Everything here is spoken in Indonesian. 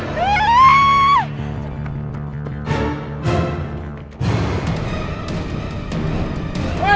pak pak pak